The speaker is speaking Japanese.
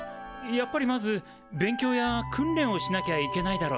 やっぱりまず勉強や訓練をしなきゃいけないだろうね。